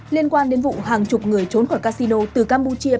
liên quan đến vụ hàng chục người trốn khỏi casino từ campuchia